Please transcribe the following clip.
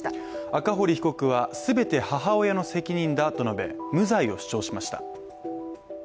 赤堀被告は全て母親の責任だと述べ無罪を主張しました。